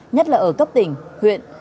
nhất là ở cấp tỉnh huyện